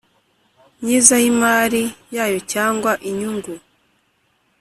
Myiza y imari yayo cyangwa inyungu